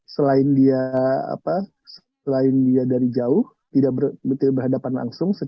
selain dia selain dia dari jauh tidak berhadapan langsung